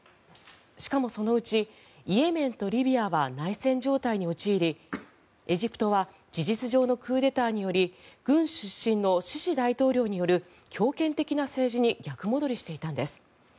しかもそのうちイエメンとリビアは内戦状態に陥りエジプトは事実上のクーデターにより軍出身のシシ大統領による強権的な政治に逆戻りしていたんです。